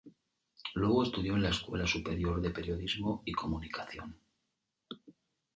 Luego estudió en la Escuela Superior de Periodismo y Comunicación.